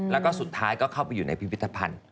แล้วก็สุดท้ายก็เข้าไปอยู่ในพิพิธภัณฑ์